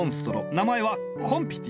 名前はコンピティ。